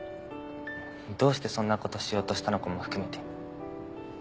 どうしてそんな事しようとしたのかも含めて全部。